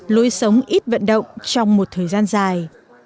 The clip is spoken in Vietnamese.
lối sống ít vận động trong một thời gian dài